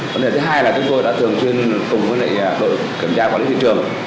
vấn đề thứ hai là chúng tôi đã thường chuyên cùng với đội kiểm tra quản lý thị trường